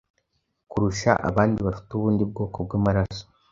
kurusha abandi bafite ubundi bwoko bw’amaraso,